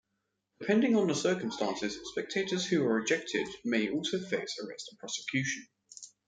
Depending on the circumstances, spectators who are ejected may also face arrest and prosecution.